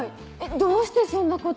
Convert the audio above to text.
どうしてそんなこと？